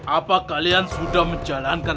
apa kalian sudah menjalankan